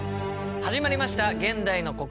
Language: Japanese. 始まりました「現代の国語」。